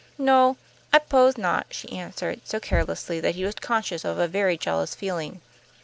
"No, I 'pose not," she answered, so carelessly that he was conscious of a very jealous feeling.